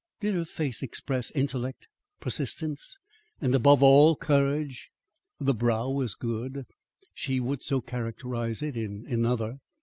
Did her face express intellect, persistence and, above all, courage? The brow was good; she would so characterise it in another.